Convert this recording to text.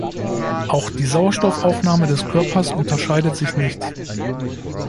Auch die Sauerstoffaufnahme des Körpers unterscheidet sich nicht.